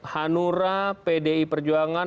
hanura pdi perjuangan